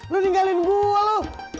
lu tinggalin gua lu